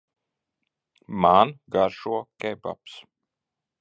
Man garšo kebabs.